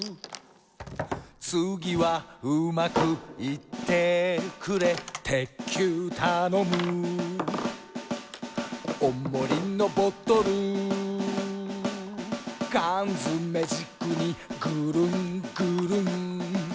「つぎはうまくいってくれ」「鉄球たのむ」「おもりのボトル」「缶詰軸にぐるんぐるん」